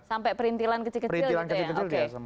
sampai perintilan kecil kecil gitu ya